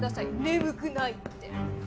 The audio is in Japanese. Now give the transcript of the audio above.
眠くないって。